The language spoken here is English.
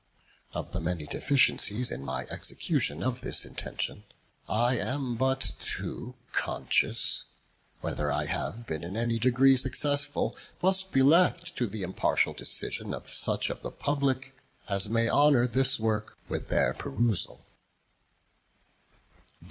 Of the many deficiencies in my execution of this intention, I am but too conscious; whether I have been in any degree successful, must be left to the impartial decision of such of the Public as may honour this work with their perusal.